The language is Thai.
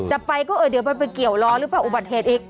จะไปก็เออเดี๋ยวมันไปเกี่ยวล้อหรือเปล่าอุบัติเหตุอีก